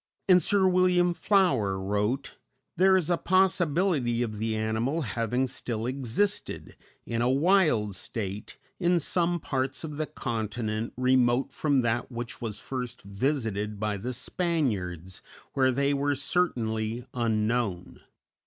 And Sir William Flower wrote: "There is a possibility of the animal having still existed, in a wild state, in some parts of the continent remote from that which was first visited by the Spaniards, where they were certainly unknown.